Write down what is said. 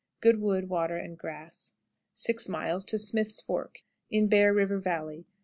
Good wood, water, and grass. 6. Smith's Fork. In Bear, River Valley.